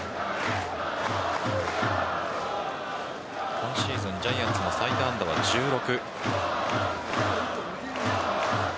今シーズンジャイアンツの最多安打は１６。